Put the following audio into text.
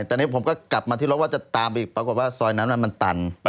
แต่นี่ผมก็กลับมาที่รถว่าจะตามไปอีกปรากฏว่าซอยนั้นมันตัน